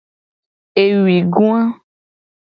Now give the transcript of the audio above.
Ewuigoa.